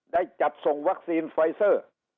ได้จัดส่งวัคซีนไฟเซอร์